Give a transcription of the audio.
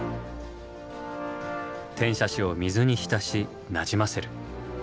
転写紙を水に浸しなじませる。